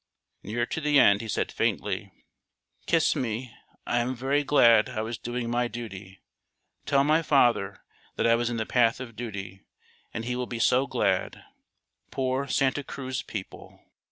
Near to the end he said faintly, "Kiss me; I am very glad I was doing my duty. Tell my father that I was in the path of duty, and he will be so glad. Poor Santa Cruz people!"